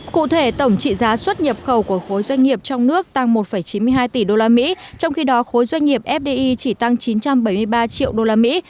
cụ thể tổng trị giá xuất nhập khẩu của khối doanh nghiệp trong nước tăng một chín mươi hai tỷ đô la mỹ trong khi đó khối doanh nghiệp fdi chỉ tăng chín trăm bảy mươi ba triệu đô la mỹ